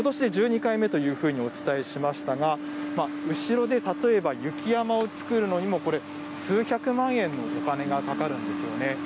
ことしで１２回目というふうにお伝えしましたが、後ろで例えば雪山を作るのにもこれ、数百万円のお金がかかるんですよね。